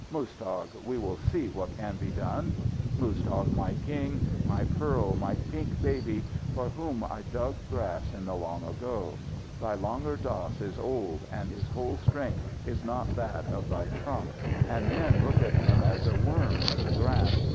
Muztagh, we will see what can be done! Muztagh, my king, my pearl, my pink baby, for whom I dug grass in the long ago! Thy Langur Dass is old, and his whole strength is not that of thy trunk, and men look at him as a worm in the grass.